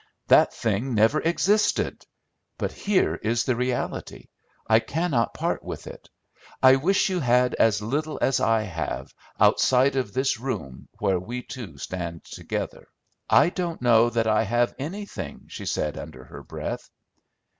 That thing never existed; but here is the reality; I cannot part with it. I wish you had as little as I have, outside of this room where we two stand together!" "I don't know that I have anything," she said under her breath.